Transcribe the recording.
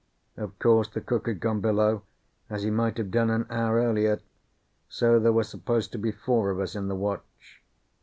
Of course the cook had gone below, as he might have done an hour earlier; so there were supposed to be four of us in the watch.